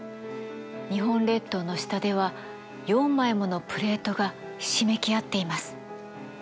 日本列島の下では４枚ものプレートがひしめき合っています。